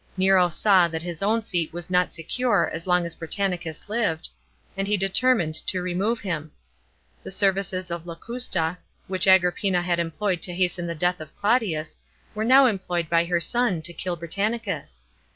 Nero saw that his own seat was not secure as long as Britannicus lived, and he determined to remove him. The services of Locusta, which Agrippina had employed to hasten the death of Claudius, were now employed by her son to kill Britannicus.